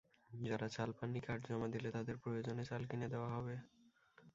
যাঁরা চাল পাননি, কার্ড জমা দিলে তাঁদের প্রয়োজনে চাল কিনে দেওয়া হবে।